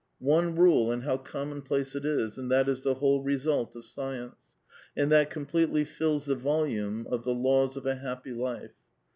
One rule, and how commonplace it is, and that is the whole result of science ; and that completely fills the volume of the laws of a happy life.